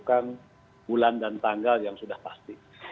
dan juga harus dilakukan bulan dan tanggal yang sudah pasti